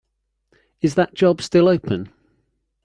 Is that job still open?